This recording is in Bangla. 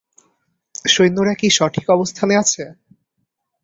সৈন্যরা কি সঠিক অবস্থানে আছে?